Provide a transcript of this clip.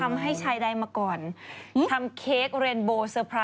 ไม่แต่ว่าชายหญิงก็ยังมีอยู่นะ